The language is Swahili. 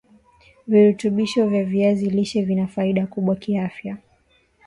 Virutubisho vya viazi lishe vina faida kubwa kiafya